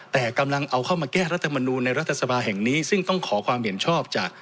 แต่กำลังเอาเข้ามาแก้รัฐมนูลในรัฐสภาแห่งนี้ซึ่งต้องขอความเห็นชอบจาก